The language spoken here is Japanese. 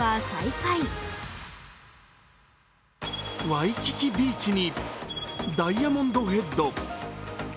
ワイキキビーチにダイヤモンドヘッド。